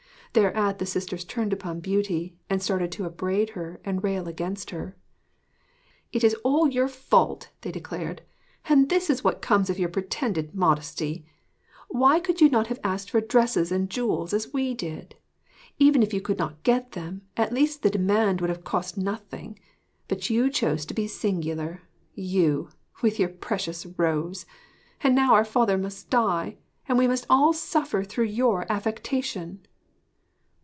Thereat the sisters turned upon Beauty and started to upbraid and rail against her. 'It is all your fault,' they declared; 'and this is what comes of your pretended modesty! Why could you not have asked for dresses and jewels as we did? Even if you could not get them, at least the demand would have cost nothing. But you chose to be singular you, with your precious rose! and now our father must die, and we must all suffer through your affectation!'